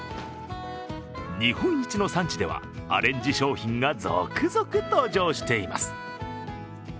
日本一の産地では、アレンジ商品が続々登場しています。